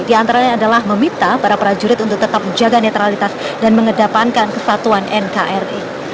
di antaranya adalah meminta para prajurit untuk tetap menjaga netralitas dan mengedapankan kesatuan nkri